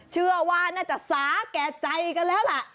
เชื่อว่าน่าจะสาแก่ใจกันแล้วล่ะ